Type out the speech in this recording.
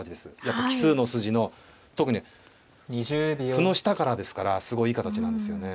奇数の筋の特に歩の下からですからすごいいい形なんですよね。